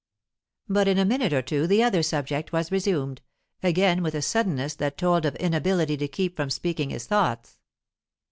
But in a minute or two the other subject was resumed, again with a suddenness that told of inability to keep from speaking his thoughts.